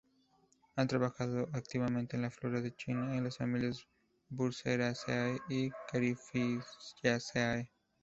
Ha trabajado activamente en la "Flora de China" en las familias Burseraceae y Caryophyllaceae.